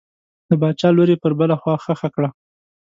د باچا لور یې پر بله خوا ښخه کړه.